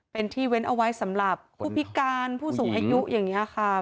เป็นที่เว้นเอาไว้สำหรับผู้พิการผู้สูงอายุอย่างนี้ค่ะ